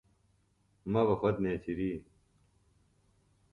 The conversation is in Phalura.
مہ بہ خوۡت نیچِری